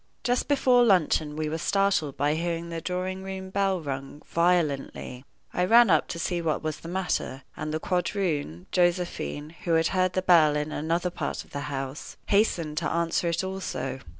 Just before luncheon we were startled by hearing the drawing room bell rung violently. I ran up to see what was the matter, and the quadroon, Josephine, who had heard the bell in another part of the house, hastened to answer it also.